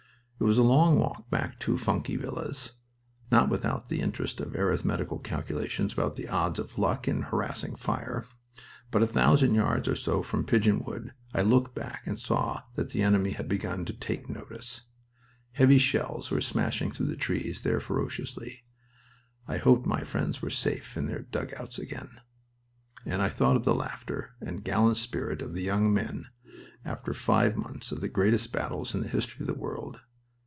It was a long walk back to "Funky Villas," not without the interest of arithmetical calculations about the odds of luck in harassing fire, but a thousand yards or so from Pigeon Wood I looked back and saw that the enemy had begun to "take notice." Heavy shells were smashing through the trees there ferociously. I hoped my friends were safe in their dugouts again.... And I thought of the laughter and gallant spirit of the young men, after five months of the greatest battles in the history of the world.